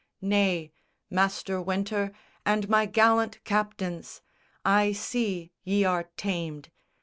Nay, master Wynter and my gallant captains, I see ye are tamed.